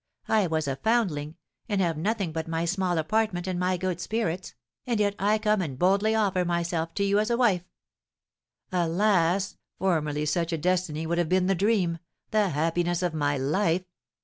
I was a foundling, and have nothing but my small apartment and my good spirits, and yet I come and boldly offer myself to you as a wife." "Alas, formerly such a destiny would have been the dream the happiness of my life!